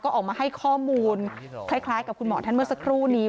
ก็ออกมาให้ข้อมูลคล้ายกับคุณหมอท่านเมื่อสักครู่นี้